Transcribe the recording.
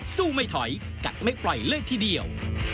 ไม่ถอยกัดไม่ปล่อยเลยทีเดียว